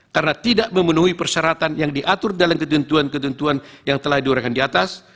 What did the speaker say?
karena tidak memenuhi persyaratan yang diatur dalam ketentuan ketentuan yang telah diurahkan di atas